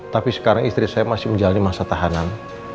tapi sekarang istri saya masih menjalani masa tahanan